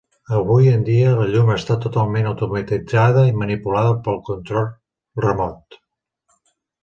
Avui en dia, la llum està totalment automatitzada i manipulada per control remot.